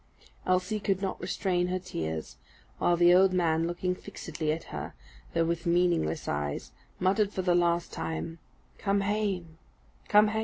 Elsie could not restrain her tears; while the old man, looking fixedly at her, though with meaningless eyes, muttered, for the last time, "_Come hame! come hame!